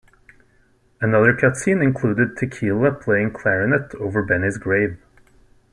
Another cut scene included Tequila playing clarinet over Benny's grave.